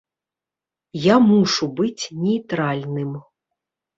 Я мушу быць нейтральным.